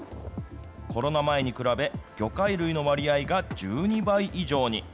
コロナ前に比べ、魚介類の割合が１２倍以上に。